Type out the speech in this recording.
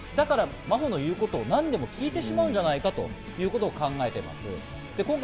だから真帆の言うことを何でも聞いてしまうんじゃないかということを考えています。